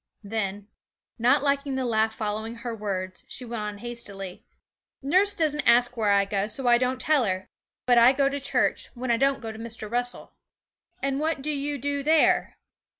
Then, not liking the laugh following her words, she went on hastily: 'Nurse doesn't ask where I go, so I don't tell her; but I go to church, when I don't go to Mr. Russell.' 'And what do you do there?'